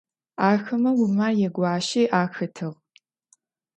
Ахэмэ Умар ягуащи ахэтыгъ.